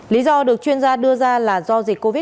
lý do được chuyên gia đưa ra là do dịch vụ